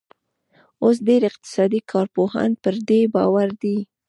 اوس ډېر اقتصادي کارپوهان پر دې باور دي